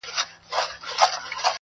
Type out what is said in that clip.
چی له خپلو انسانانو مو زړه شین سي؛